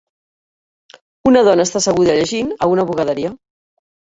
Una dona està asseguda llegint a una bugaderia.